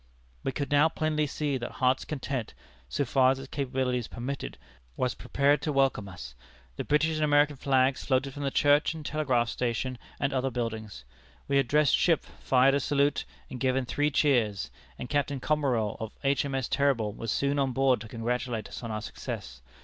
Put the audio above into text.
"We could now plainly see that Heart's Content, so far as its capabilities permitted, was prepared to welcome us. The British and American flags floated from the church and telegraph station and other buildings. We had dressed ship, fired a salute, and given three cheers, and Captain Commerill of H.M.S. Terrible was soon on board to congratulate us on our success.